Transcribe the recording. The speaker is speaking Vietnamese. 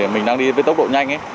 mình đang đi với tốc độ nhanh ấy